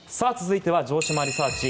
続いては城島リサーチ！